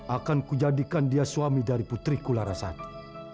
akan kujadikan dia suami dari putriku larasati